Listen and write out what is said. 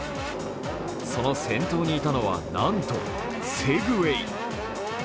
その先頭にいたのは、なんとセグウェイ。